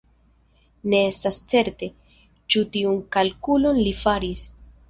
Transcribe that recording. Ne estas certe, ĉu tiun kalkulon li faris.